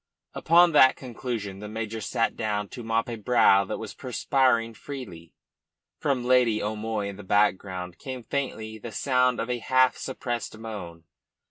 Upon that conclusion the major sat down to mop a brow that was perspiring freely. From Lady O'Moy in the background came faintly, the sound of a half suppressed moan.